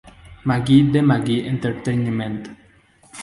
McGhee de McGhee Entertainment.